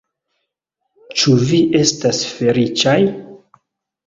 Ĉu vi estas feliĉaj?